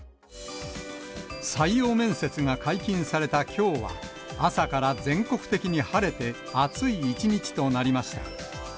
採用面接が解禁されたきょうは、朝から全国的に晴れて暑い一日となりました。